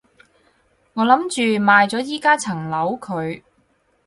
我諗住賣咗依加層樓佢